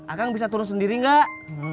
akang bisa turun sendiri gak